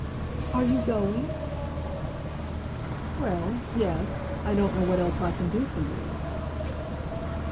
"Are you going?" "Well; yes; I don't know what else I can do for you."